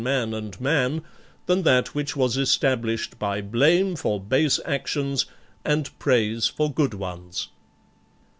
1 and man than that which was established by blame for base actions and praise for good ones.